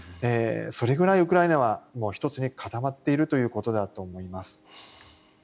それぐらいウクライナは一つに固まっているということだと思います。